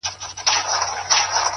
خپل قوت د خیر لپاره وکاروئ,